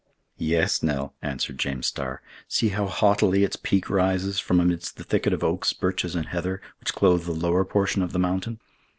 "Yes, Nell," answered James Starr; "see how haughtily its peak rises from amidst the thicket of oaks, birches, and heather, which clothe the lower portion of the mountain!